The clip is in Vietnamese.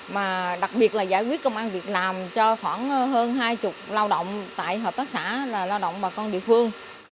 mà đặc biệt là giải quyết công an việc làm cho khoảng hơn hai mươi lao động tại hợp tác xã là lao động bà con địa phương